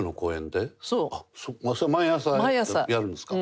それ毎朝やるんですか？